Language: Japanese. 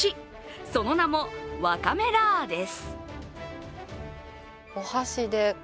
その名も、わかめラーです。